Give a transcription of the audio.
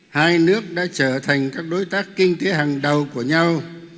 hai nước đã trở thành các đối tác kinh tế hàng đầu của nhau